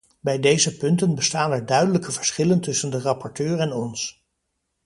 Bij deze punten bestaan er duidelijke verschillen tussen de rapporteur en ons.